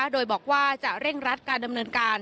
โดยบอกว่าจะเร่งรัดการดำเนินการ